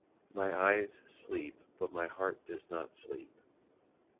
My eyes sleep but my heart does not sleep.